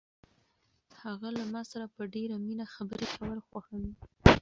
هغه له ما سره په ډېرې مینه خبرې کول خوښوي.